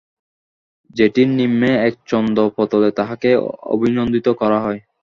জেটির নিম্নে এক চন্দ্রাতপতলে তাঁহাকে অভিনন্দিত করা হয়।